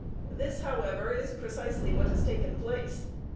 This, however, is precisely what has taken place.